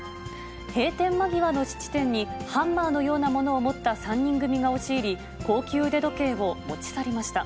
閉店間際の質店にハンマーのようなものを持った３人組が押し入り、高級腕時計を持ち去りました。